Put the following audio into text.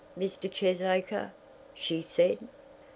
"] "I, Mr. Cheesacre!" she said.